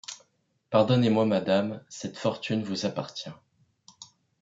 Pardonnez-moi, madame, cette fortune vous appartient.